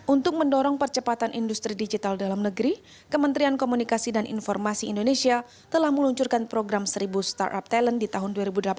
untuk mendorong percepatan industri digital dalam negeri kementerian komunikasi dan informasi indonesia telah meluncurkan program seribu startup talent di tahun dua ribu delapan belas